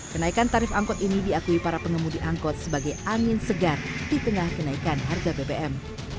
kenaikan tarif angkot ini diakui para pengemudi angkot sebagai angin segar di tengah kenaikan harga bbm